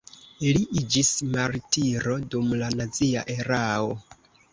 Li iĝis martiro dum la nazia erao.